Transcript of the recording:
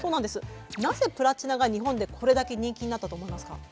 なぜプラチナが日本でこれだけ人気になったと思いますか？